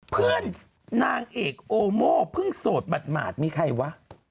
เพื่อนนางเอกโอโม่เพิ่งโสดหมาดมีใครวะ